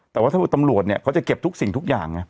แต่ว่าถ้าตำรวจเนี่ยเขาจะเก็บทุกสิ่งทุกอย่างไง